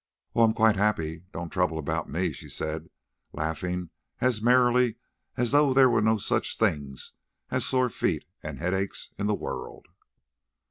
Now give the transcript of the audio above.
"Oh, I am quite happy. Don't trouble about me," she said, laughing as merrily as though there were no such things as sore feet and headaches in the world.